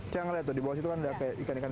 saya lihat di bawah itu kan ada ikan ikan